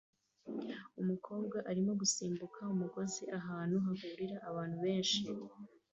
Umukobwa arimo gusimbuka umugozi ahantu hahurira abantu benshi